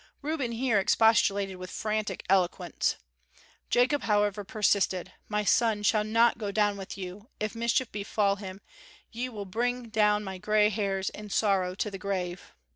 Reuben here expostulated with frantic eloquence. Jacob, however, persisted: "My son shall not go down with you; if mischief befall him, ye will bring down my gray hairs in sorrow to the grave."